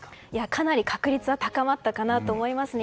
かなり確率は高まったかなと思いますね。